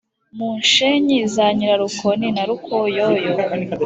mu nshenyi za nyirarukoni na rukoyoyo,